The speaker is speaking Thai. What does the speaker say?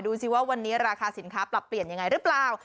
ดูสิว่าวันนี้ราคาสินค้าปรับเปลี่ยนยังไงหรือเปล่า